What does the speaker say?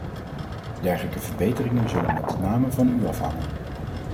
Dergelijke verbeteringen zullen met name van u afhangen.